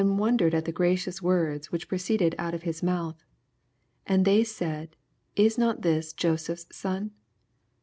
Verily I say onto wondered at the gradous words which proceeded out of his mouth. And they said, Is not this Joseph^s son